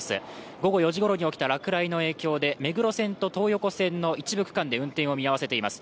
午後４時ごろに起きた落雷の影響で目黒線と東横線の一部区間で運転を見合わせています。